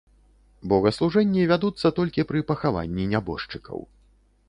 Богаслужэнні вядуцца толькі пры пахаванні нябожчыкаў.